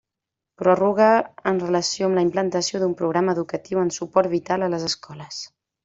Prorroga en relació amb la implantació d'un programa educatiu en suport vital a les escoles.